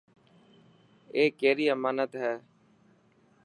اي ڪيري امانت هي.